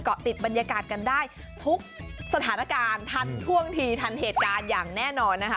เกาะติดบรรยากาศกันได้ทุกสถานการณ์ทันท่วงทีทันเหตุการณ์อย่างแน่นอนนะคะ